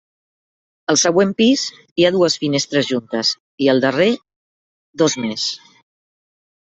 Al següent pis, hi ha dues finestres juntes, i al darrer dos més.